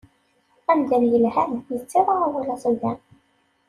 Amdan ilhan, ittarra awal aẓidan.